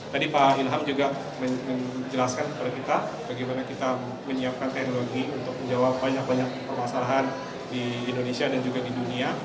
tadi pak ilham juga menjelaskan kepada kita bagaimana kita menyiapkan teknologi untuk menjawab banyak banyak permasalahan di indonesia dan juga di dunia